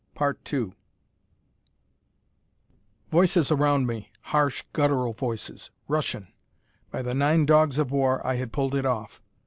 Voices around me, harsh, guttural voices. Russian! By the Nine Dogs of War, I had pulled it off!